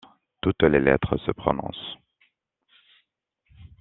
Toutes les lettres se prononcent.